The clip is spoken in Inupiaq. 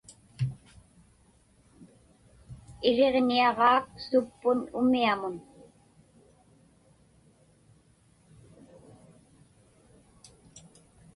Iriġniaġaak suppun umiamun.